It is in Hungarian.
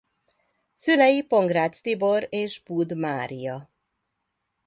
Szülei Pongrácz Tibor és Bud Mária.